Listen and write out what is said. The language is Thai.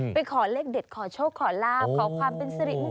ขอเลขเด็ดขอโชคขอลาบขอความเป็นสิริมุ